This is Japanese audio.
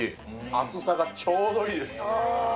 厚さがちょうどいいです。